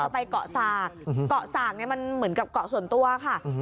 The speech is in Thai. ไปเกาะสากเกาะสากมันเหมือนกับเกาะส่วนตัวค่ะ